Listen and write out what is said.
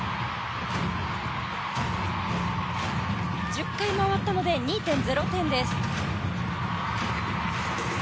１０回回ったので２．０点です。